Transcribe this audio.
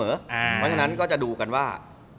เพราะฉะนั้นก็จะดูกันว่า